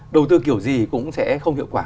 đầu tư kiểu gì cũng sẽ không hiệu quả